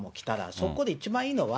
そこで一番いいのは、